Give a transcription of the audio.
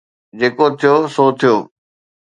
جيڪو ٿيو سو ٿيو.